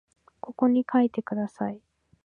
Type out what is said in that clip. ここに書いてください